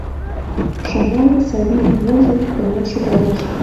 Шамай, Савийым ужын, кынел шогалеш.